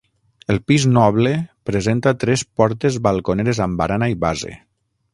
El pis noble presenta tres portes balconeres amb barana i base.